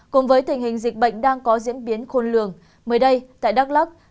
cùng với tình hình dịch bệnh đang có diễn biến khôn lường mới đây tại đắk lắc